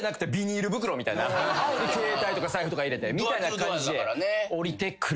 携帯とか財布とか入れてみたいな感じで降りてくる。